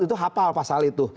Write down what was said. itu hafal pasal itu